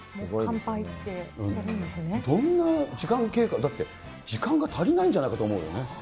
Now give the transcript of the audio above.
どんな時間経過、だって時間が足りないんじゃないかなと思うよね。